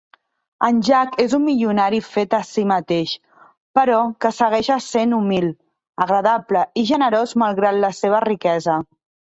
En Jack és un milionari fet a si mateix, però que segueix essent humil, agradable i generós malgrat la seva riquesa.